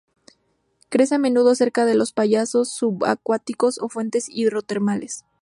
Crecen a menudo cerca de los payasos subacuáticos o fuentes hidrotermales.